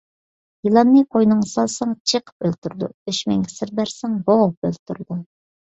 يىلاننى قوينۇڭغا سالساڭ، چېقىپ ئۆلتۈرىدۇ، دۈشمەنگە سىر بەرسەڭ بوغۇپ ئۆلتۈرىدۇ.